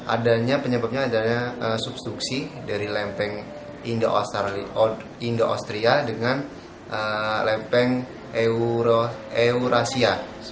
adanya penyebabnya adalah substruksi dari lempeng indo austria dengan lempeng eurasia